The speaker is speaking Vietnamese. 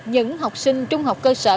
những học sinh trung học cơ sở